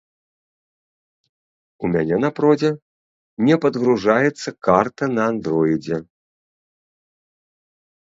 У мяне на продзе не падгружаецца карта на андроідзе.